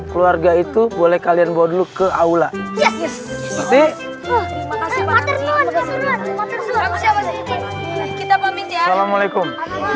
keluarga itu boleh kalian bodoh ke aula yes sih makasih pak kita pamit ya alamu'alaikum